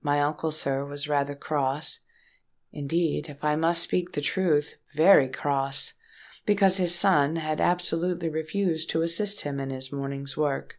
My uncle, sir, was rather cross—indeed, if I must speak the truth, very cross; because his son had absolutely refused to assist him in his morning's work.